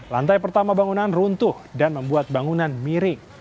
lantai pertama bangunan runtuh dan membuat bangunan miring